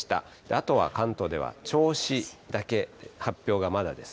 あとは関東では銚子だけ発表がまだです。